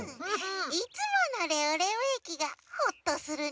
いつものレオレオえきがホッとするね。